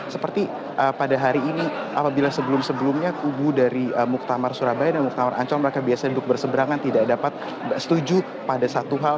seperti pada hari ini apabila sebelum sebelumnya kubu dari muktamar surabaya dan muktamar ancol mereka biasanya duduk berseberangan tidak dapat setuju pada satu hal